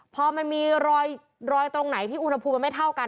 พอมันมีรอยตรงไหนที่อุณหภูมิมันไม่เท่ากัน